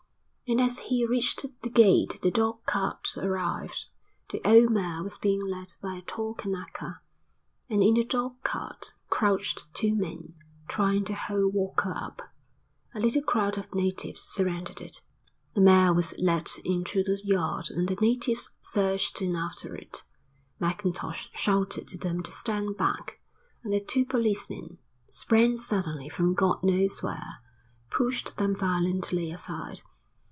And as he reached the gate the dog cart arrived. The old mare was being led by a tall Kanaka, and in the dog cart crouched two men, trying to hold Walker up. A little crowd of natives surrounded it. The mare was led into the yard and the natives surged in after it. Mackintosh shouted to them to stand back and the two policemen, sprang suddenly from God knows where, pushed them violently aside.